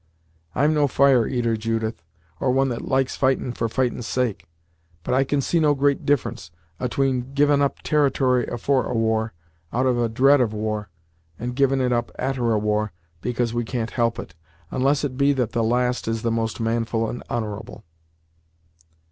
I'm no fire eater, Judith, or one that likes fightin' for fightin's sake, but I can see no great difference atween givin' up territory afore a war, out of a dread of war, and givin' it up a'ter a war, because we can't help it, onless it be that the last is the most manful and honorable."